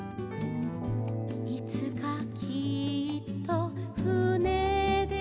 「いつかきっとふねでいこう」